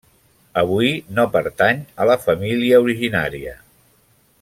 Avui no pertany a la família originària.